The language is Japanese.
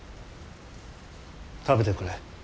食べてくれ。